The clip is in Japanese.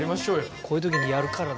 こういう時にやるからね。